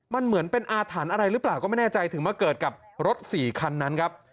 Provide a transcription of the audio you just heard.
มันเหมือนเป็นอาถรรพ์อะไรหรือเปล่าก็ไม่แน่ใจถึงมาเกิดกับรถ๔คันนั้นครับ